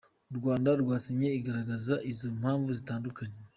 U Rwanda rwasinye igaragaza izo mpamvu zitandukanye